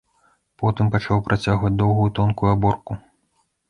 Потым пачаў працягваць доўгую тонкую аборку.